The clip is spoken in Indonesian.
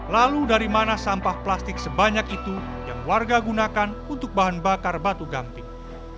lalu dari mana sampah plastik sebanyak itu yang warga gunakan untuk bahan bakar batu gamping